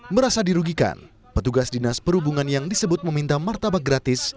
merasa dirugikan petugas dinas perhubungan yang disebut meminta martabak gratis